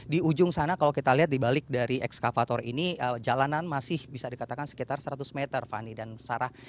di ujung sana kalau kita lihat di balik dari ekskavator ini jalanan masih bisa dikatakan sekitar seratus meter fani dan sarah